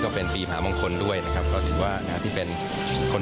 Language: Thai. ก็เป็นปีผมามงคลด้วยนะครับก็ถือว่านะครับที่เป็นคน